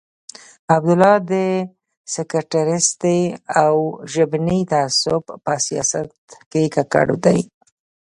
عبدالله د سکتریستي او ژبني تعصب په سیاست کې ککړ دی.